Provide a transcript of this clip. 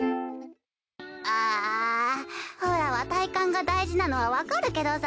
あぁフラは体幹が大事なのはわかるけどさ。